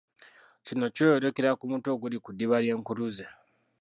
Kino kyeyolekera ku mutwe oguli ku ddiba ly’enkuluze.